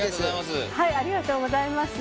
ありがとうございます。